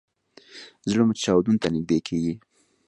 زړه مو چاودون ته نږدې کیږي